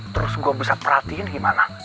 terus gue bisa perhatiin gimana